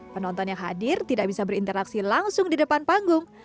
penonton yang hadir tidak bisa berinteraksi langsung di depan panggung